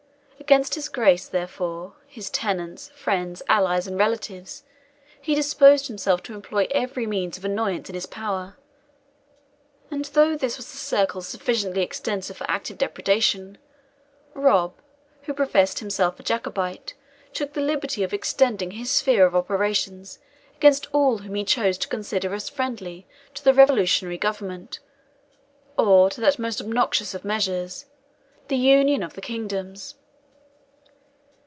Against his Grace, therefore, his tenants, friends, allies, and relatives, he disposed himself to employ every means of annoyance in his power; and though this was a circle sufficiently extensive for active depredation, Rob, who professed himself a Jacobite, took the liberty of extending his sphere of operations against all whom he chose to consider as friendly to the revolutionary government, or to that most obnoxious of measures the Union of the Kingdoms.